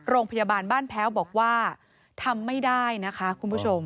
โรงพยาบาลบ้านแพ้วบอกว่าทำไม่ได้นะคะคุณผู้ชม